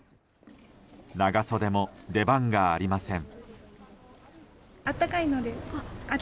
長袖も出番がありません。